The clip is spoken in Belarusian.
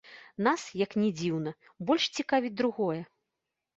Нас, як ні дзіўна, больш цікавіць другое.